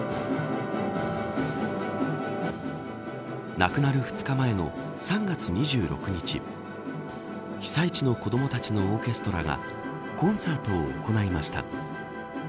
亡くなる２日前の３月２６日被災地の子どもたちのオーケストラがコンサートを行いました。